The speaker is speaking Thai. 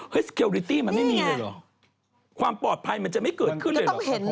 สเกลริตี้มันไม่มีเลยเหรอความปลอดภัยมันจะไม่เกิดขึ้นเลยเหรอ